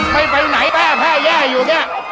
แกไปไหนแป้แแย่อยู่